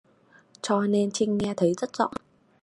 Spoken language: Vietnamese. Cho nên trinh nghe thấy rất rõ